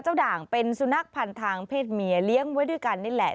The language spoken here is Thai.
ด่างเป็นสุนัขพันธ์ทางเพศเมียเลี้ยงไว้ด้วยกันนี่แหละ